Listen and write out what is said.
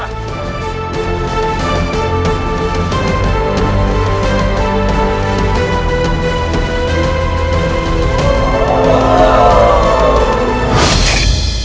saya akan menangkap dia